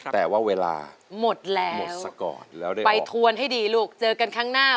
แต่ว่าเวลาหมดแล้วไปถวนให้ดีลูกเจอกันครั้งหน้า